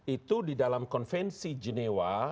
itu di dalam konvensi genewa